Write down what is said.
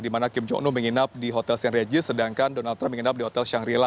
di mana kim jong um menginap di hotel st regis sedangkan donald trump menginap di hotel shangrila